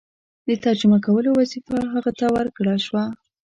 د ترجمه کولو وظیفه هغه ته ورکړه شوه.